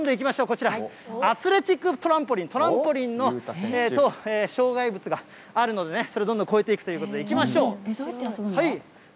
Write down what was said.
こちら、アスレチックトランポリン、トランポリンと障害物があるのでね、それをどんどん越えていくということで、いきましょう。